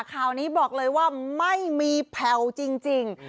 ข่าวนี้บอกเลยว่าไม่มีแผ่วจริง